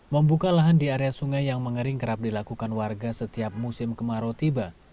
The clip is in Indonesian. membuka lahan di area sungai yang mengering kerap dilakukan warga setiap musim kemarau tiba